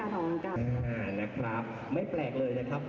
นะครับไม่แปลกเลยนะครับ